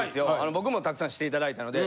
僕も沢山していただいたので。